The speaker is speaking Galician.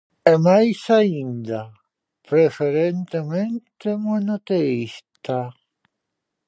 E máis aínda: preferentemente monoteísta.